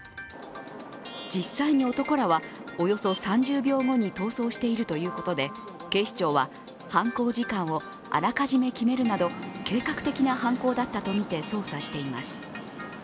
実際に男らは、およそ３０秒後に逃走しているということで、警視庁は犯行時間をあらかじめ決めるなど、計画的な犯行だったとみて捜査しています。